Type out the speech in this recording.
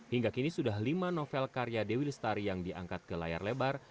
hingga kini sudah lima novel karya dewi lestari yang diangkat ke layar lebar